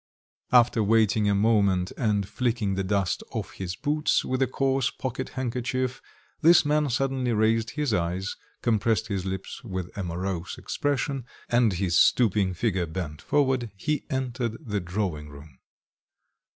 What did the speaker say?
After waiting a moment and flicking the dust off his boots with a coarse pocket handkerchief, this man suddenly raised his eyes, compressed his lips with a morose expression, and his stooping figure bent forward, he entered the drawing room.